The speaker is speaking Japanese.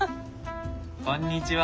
こんにちは。